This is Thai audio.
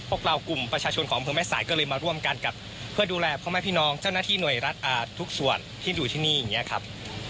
พวกเรากลุ่มประชาชนของอำเภอแม่สายก็เลยมาร่วมกันกับเพื่อดูแลพ่อแม่พี่น้องเจ้าหน้าที่หน่วยรัฐทุกส่วนที่อยู่ที่นี่อย่างนี้ครับ